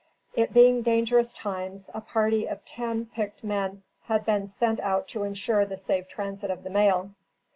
It being dangerous times, a party of ten picked men had been sent out to insure the safe transit of the mail.